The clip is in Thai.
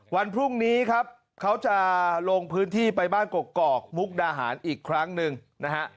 วันพรุ่งนี้ครับเขาจะลงพื้นที่ไปบ้านกกอกมุกดาหารอีกครั้งหนึ่งนะฮะ